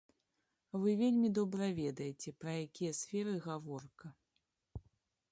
Вы вельмі добра ведаеце, пра якія сферы гаворка.